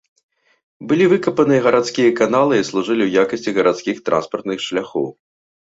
Былі выкапаныя гарадскія каналы і служылі ў якасці гарадскіх транспартных шляхоў.